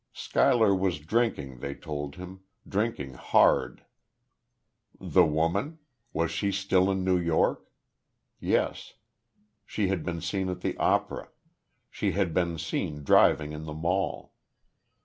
Schuyler was drinking, they told him drinking hard. The woman? Was she still in New York? Yes; she had been seen at the opera; she had been seen driving in the Mall.